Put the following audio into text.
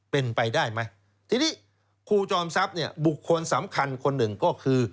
เป็นไปได้ไหมทีนี้ครูจอมทรัพย์เนี่ยบุคคลสำคัญคนหนึ่งก็คือ